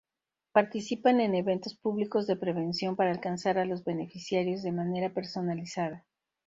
Participan en eventos públicos de prevención para alcanzar a los beneficiarios de manera personalizada.